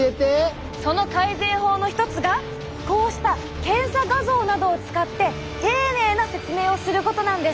その改善法の一つがこうした検査画像などを使って丁寧な説明をすることなんです。